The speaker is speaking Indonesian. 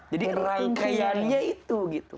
jadi rangkaiannya itu gitu